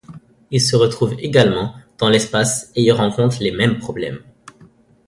Il se retrouve également dans l'espace et y rencontre les mêmes problèmes.